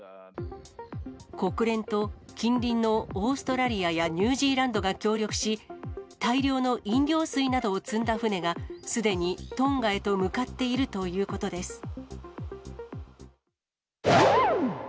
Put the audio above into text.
国連と近隣のオーストラリアやニュージーランドが協力し、大量の飲料水などを積んだ船が、すでにトンガへと向かっているということです。